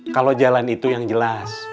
kalau jalan itu yang jelas